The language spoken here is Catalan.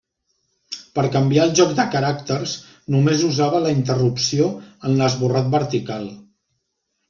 Per canviar el joc de caràcters només usava la interrupció en l'esborrat vertical.